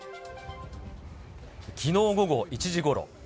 きのう午後１時ごろ。